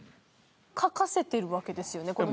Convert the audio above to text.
書かせてるわけですよね。